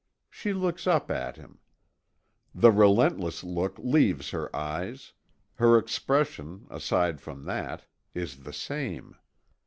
She looks up at him. The relentless look leaves her eyes; her expression, aside from that, is the same.